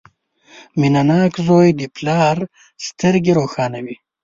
• مینهناک زوی د پلار سترګې روښانوي.